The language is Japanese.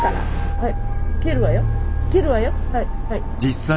はい。